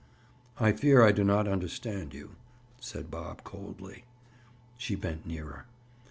"I fear I do not understand you," said Bob coldly. She bent nearer.